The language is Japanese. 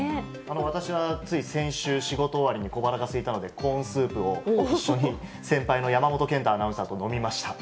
私はつい先週、仕事終わりに小腹がすいたので、コーンスープを一緒に、先輩のやまもとけんたアナウンサーと飲みました。